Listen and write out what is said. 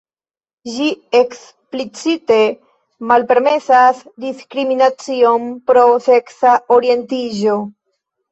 Ĝi eksplicite malpermesas diskriminacion pro seksa orientiĝo.